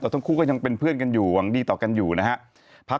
ทั้งคู่ก็ยังเป็นเพื่อนกันอยู่หวังดีต่อกันอยู่นะฮะพัก